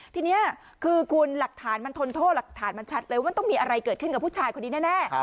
ทีนี้คือคุณหลักฐานมันทนโทษหลักฐานมันชัดเลยว่าต้องมีอะไรเกิดขึ้นกับผู้ชายคนนี้แน่